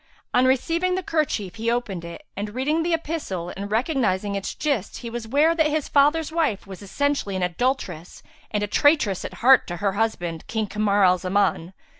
On receiving the kerchief he opened it and, reading the epistle and recognizing its gist he was ware that his father's wife was essentially an adulteress and a traitress at heart to her husband, King Kamar al Zaman.